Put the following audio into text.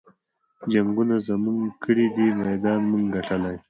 جنګــــونه مونږه کـــــــــړي دي مېدان مونږه ګټلے